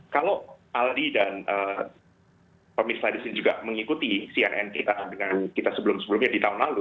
kalau aldi dan komis ladis juga mengikuti cnn kita sebelum sebelumnya di tahun lalu